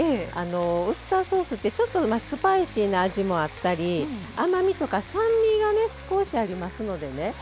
ウスターソースってちょっとスパイシーな味もあったり甘みとか酸味がね少しありますのでね